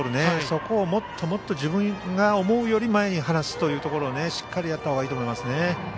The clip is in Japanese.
そこをもっともっと自分が思うよりも前に離すということをしっかりやったほうがいいと思いますね。